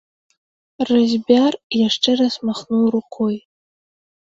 Разьбяр яшчэ раз махнуў рукой.